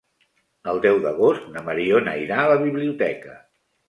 El deu d'agost na Mariona irà a la biblioteca.